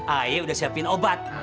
ayah udah siapin obat